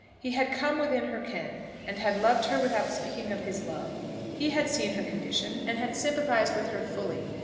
He had come within her ken, and had loved her without speaking of his love. He had seen her condition, and had sympathised with her fully.